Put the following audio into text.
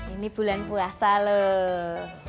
ini bulan puasa loh